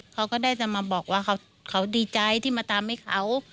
เขาก็ได้จะมาบอกว่าเขาดีใจที่มาทำให้เขา